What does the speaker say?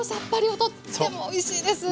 とってもおいしいです！